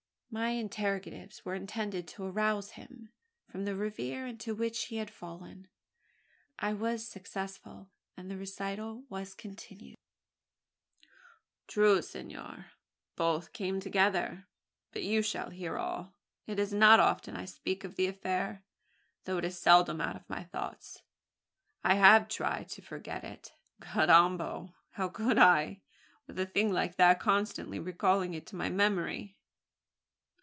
My interrogatives were intended to arouse him from the reverie into which he had fallen. I was successful; and the recital was continued. "True, senor both came together; but you shall hear all. It is not often I speak of the affair, though it is seldom out of my thoughts, I have tried to forget it. Carrambo! how could I, with a thing like that constantly recalling it to my memory?"